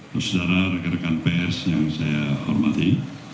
pusatara rekan rekan pers yang saya hormati